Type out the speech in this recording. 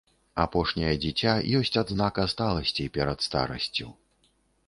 Апошняе дзіця ёсць адзнака сталасці перад старасцю.